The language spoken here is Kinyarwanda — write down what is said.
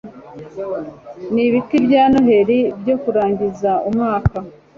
Nibiti bya Noheri byo kurangiza umwaka